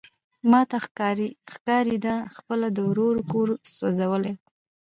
ماته ښکاري ده خپله د ورور کور سوزولی.